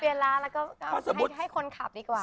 เปลี่ยนรถแล้วก็ให้คนขับดีกว่า